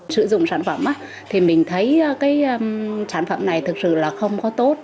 sử dụng sản phẩm thì mình thấy cái sản phẩm này thực sự là không có tốt